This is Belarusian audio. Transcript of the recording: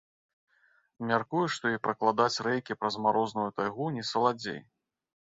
Мяркую, што і пракладаць рэйкі праз марозную тайгу не саладзей.